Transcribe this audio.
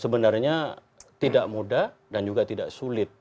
sebenarnya tidak mudah dan juga tidak sulit